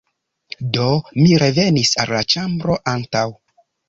Do, mi revenis al la ĉambro antaŭ